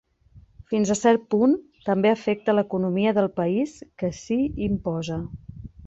Fins a cert punt, també afecta l'economia del país que s'hi imposa.